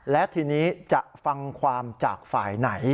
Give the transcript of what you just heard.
และทีนี้จะฟังความจากฝ่ายไหน